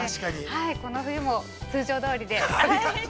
この冬も、通常どおりで。